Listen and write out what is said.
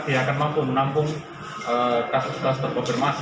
dia akan mampu menampung kasus terpobermasi